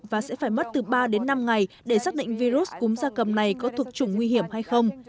và sẽ phải mất từ ba đến năm ngày để xác định virus cúm gia cầm này có thuộc chủng nguy hiểm hay không